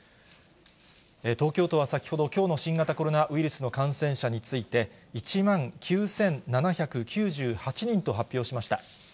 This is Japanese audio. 東京都は先ほど、きょうの新型コロナウイルスの感染者について、１万９７９８人と発表しました。